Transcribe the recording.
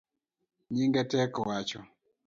Nyinge tek wacho